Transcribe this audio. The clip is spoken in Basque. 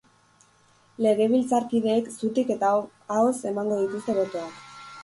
Legebiltzarkideek zutik eta ahoz emango dituzte botoak.